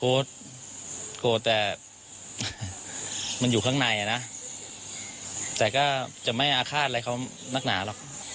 โกรธโกรธแต่มันอยู่ข้างในอ่ะนะแต่ก็จะไม่อาฆาตอะไรเขานักหนาหรอก